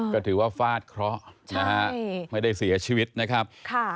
ก็ถือว่าฟาดเคราะห์นะฮะไม่ได้เสียชีวิตนะครับ